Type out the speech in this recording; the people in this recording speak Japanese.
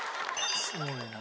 すごいな。